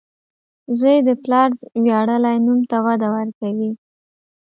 • زوی د پلار ویاړلی نوم ته وده ورکوي.